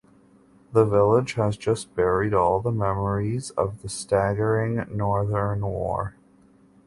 The village has just buried all the memories of the staggering Northern war.